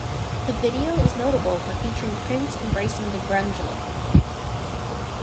The video is notable for featuring Prince embracing "the grunge look".